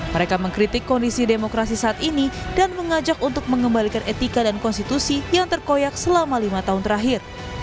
mereka mengkritik kondisi demokrasi saat ini dan mengajak untuk mengembalikan etika dan konstitusi yang terkoyak selama lima tahun terakhir